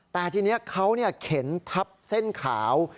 แต่ทีนี้เขาเข็นทับเส้นขาว